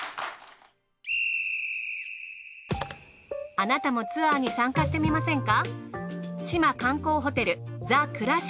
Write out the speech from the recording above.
あなたもツアーに参加してみませんか？